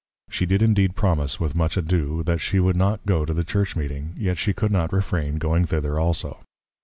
She did indeed promise, with much ado, that she would not go to the Church meeting, yet she could not refrain going thither also.